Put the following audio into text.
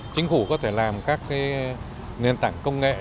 chính phủ có thể làm các nền tảng công nghệ